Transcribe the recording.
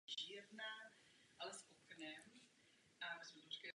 Musíme v tomto regionu posílit právní řád.